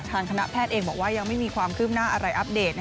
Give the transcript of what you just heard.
คณะแพทย์เองบอกว่ายังไม่มีความคืบหน้าอะไรอัปเดต